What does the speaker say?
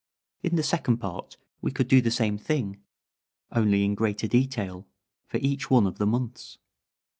In the second part we could do the same thing, only in greater detail, for each one of the months.